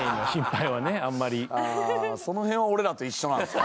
ああその辺は俺らと一緒なんですかね。